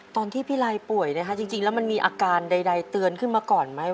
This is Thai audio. พี่ลายป่วยนะฮะจริงแล้วมันมีอาการใดเตือนขึ้นมาก่อนไหม